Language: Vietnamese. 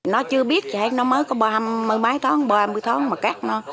nó chưa biết nó mới có ba mươi bốn mươi tháng mà cắt nó